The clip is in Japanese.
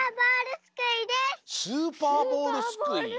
スーパーボールすくい？